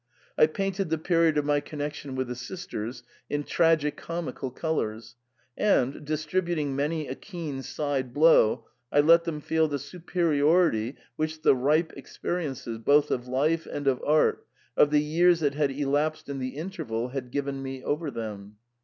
I painted the period of my connection with the sisters in tragi comical colours, and, distributing many a keen side blow, I let them feel the superiority, which the ripe experiences, both of life and of art, of the years that had elapsed in the interval had given me over them.